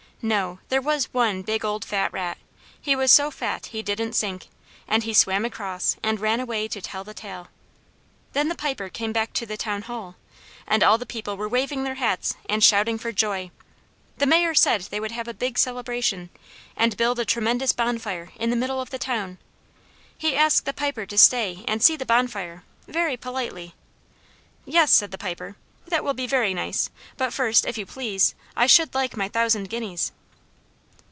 No, there was one big old fat rat; he was so fat he didn't sink, and he swam across, and ran away to tell the tale. Then the Piper came back to the town hall. And all the people were waving their hats and shouting for joy. The Mayor said they would have a big celebration, and build a tremendous bonfire in the middle of the town. He asked the Piper to stay and see the bonfire, very politely. "Yes," said the Piper, "that will be very nice; but first, if you please, I should like my thousand guineas."